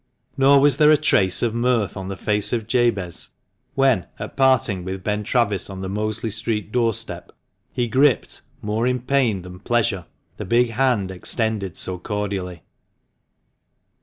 Nor was there a trace of mirth on the face of Jabez when, at parting with Ben Travis on the Mosley Street door step, he gripped, more in pain that pleasure, the big hand extended so cordially.